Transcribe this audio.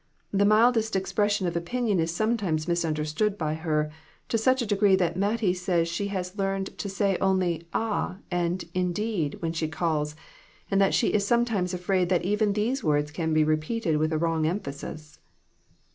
The mildest expression of opinion is sometimes misunderstood by her, to such a degree that Mattie says she has learned to say only ' ah !' and 'indeed!' when she calls, and that she is sometimes afraid that even those words can be repeated with a wrong emphasis."